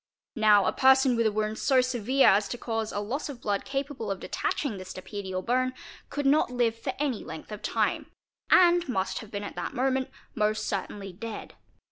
Nowa person with a wound so severe as to cause a loss of blood capable of detaching the stapedial bone could not live for any length of time and must have been at that moment most certainly dead.